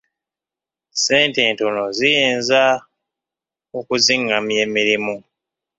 Ssente entono ziyinza okizingamya emirimu.